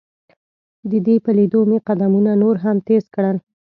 د دې په لیدو مې قدمونه نور هم تیز کړل.